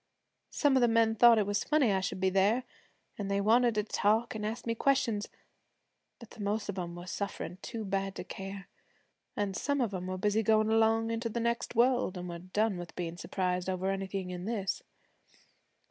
Some of the men thought it was funny I should be there, an' they wanted to talk an' ask me questions; but the most of 'em were sufferin' too bad to care, an' some of 'em were busy goin' along into the next world, an' were done with bein' surprised over anything in this.